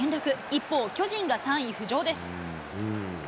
一方、巨人が３位浮上です。